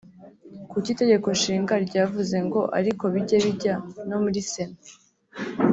kuki itegeko nshinga ryavuze ngo ariko bijye bijya no muri sena